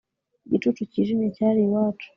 igicucu cyijimye cyari iwacu